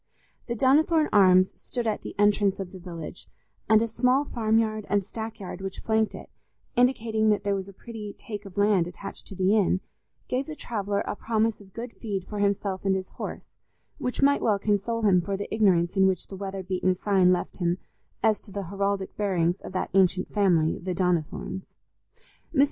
The Donnithorne Arms stood at the entrance of the village, and a small farmyard and stackyard which flanked it, indicating that there was a pretty take of land attached to the inn, gave the traveller a promise of good feed for himself and his horse, which might well console him for the ignorance in which the weather beaten sign left him as to the heraldic bearings of that ancient family, the Donnithornes. Mr.